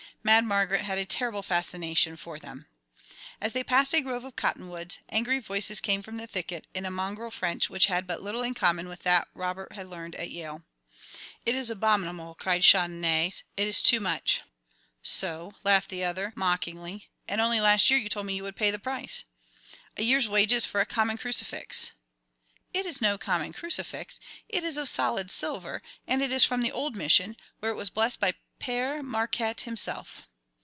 Mad Margaret had a terrible fascination for them. As they passed a grove of cottonwoods, angry voices came from the thicket, in a mongrel French which had but little in common with that Robert had learned at Yale. "It is abominable," cried Chandonnais. "It is too much!" "So?" laughed the other, mockingly; "and only last year you told me you would pay the price!" "A year's wages for a common crucifix!" "It is no common crucifix. It is of solid silver, and it is from the old mission, where it was blessed by Père Marquette himself."